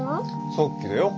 さっきだよ。